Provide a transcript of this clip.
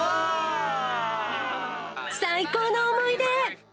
最高の思い出！